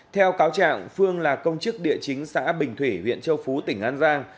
theo cáo trạng phương là công chức địa chính xã bình thủy huyện châu phú tỉnh an giang